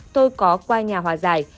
tôi có qua nhà hòa giải